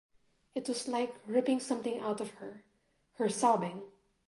It was like ripping something out of her, her sobbing.